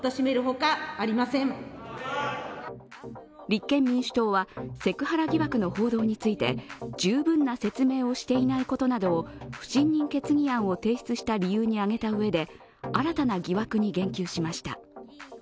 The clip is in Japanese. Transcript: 立憲民主党はセクハラ疑惑の報道について、十分な説明をしていないことなどを不信任決議案を提出した理由に挙げたうえで、新たな疑惑に言及しました。